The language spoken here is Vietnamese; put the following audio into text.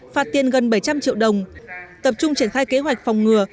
phạt tiền gần bảy trăm linh triệu đồng tập trung triển khai kế hoạch phòng ngừa